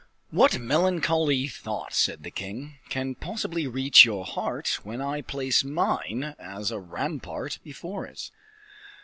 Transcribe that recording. "What melancholy thought," said the king, "can possibly reach your heart when I place mine as a rampart before it?"